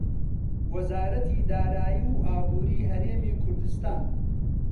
وەزارەتی دارایی و ئابووری هەرێمی کوردستان